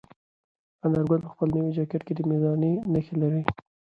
انارګل په خپل نوي جاکټ کې د مېړانې نښې لرلې.